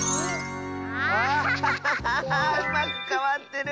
アハハハハーうまくかわってる！